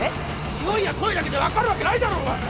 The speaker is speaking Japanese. においや声だけで分かるわけないだろうが！